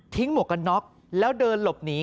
ทิ้งหมวกน็อคแล้วเดินหลบหนี